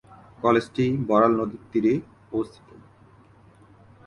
কলেজটি বড়াল নদীর তীরে অবস্থিত।